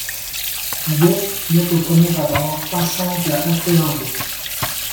Vim n'est au premier abord pas simple a appréhender.